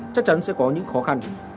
chắc chắn sẽ có những khó khăn